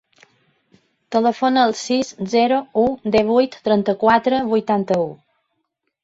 Telefona al sis, zero, u, divuit, trenta-quatre, vuitanta-u.